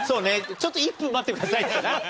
ちょっと１分待ってくださいってな。